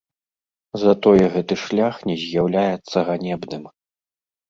Затое гэты шлях не з'яўляецца ганебным.